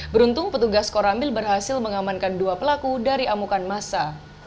beruntung petugas koramil berhasil mengamankan dua pelaku dari amukan masa